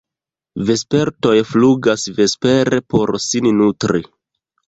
Vespertoj flugas vespere por sin nutri.